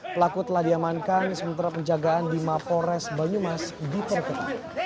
pelaku telah diamankan sementara penjagaan mapol res banyumas diperkirakan